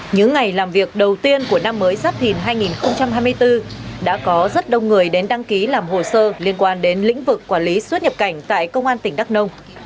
những ngày làm việc đầu tiên của năm mới giáp thìn hai nghìn hai mươi bốn đã có rất đông người đến đăng ký làm hồ sơ liên quan đến lĩnh vực quản lý xuất nhập cảnh tại công an tỉnh đắk nông